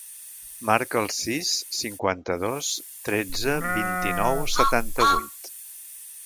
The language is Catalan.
Marca el sis, cinquanta-dos, tretze, vint-i-nou, setanta-vuit.